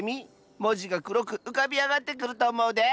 もじがくろくうかびあがってくるとおもうで。